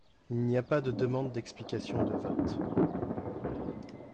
Il n’y a pas de demande d’explication de votes.